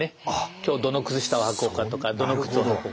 今日どの靴下をはこうかとかどの靴を履こうかとか。